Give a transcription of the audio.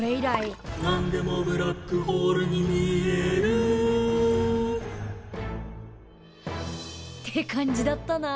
「何でもブラックホールに見える」って感じだったな。